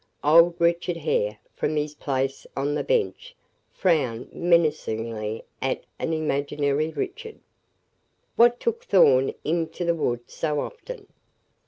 Old Richard Hare, from his place on the bench, frowned menacingly at an imaginary Richard. "What took Thorn into the wood so often?"